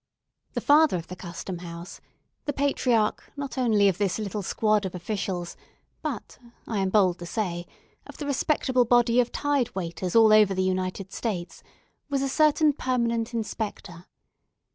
The father of the Custom House—the patriarch, not only of this little squad of officials, but, I am bold to say, of the respectable body of tide waiters all over the United States—was a certain permanent Inspector.